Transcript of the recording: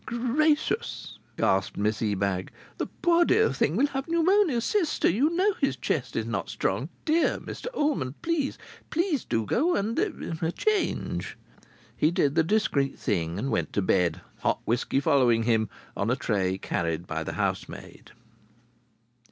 "Gracious!" gasped Miss Ebag. "The poor dear thing will have pneumonia. Sister, you know his chest is not strong. Dear Mr Ullman, please, please, do go and er change." He did the discreet thing and went to bed, hot whisky following him on a tray carried by the housemaid.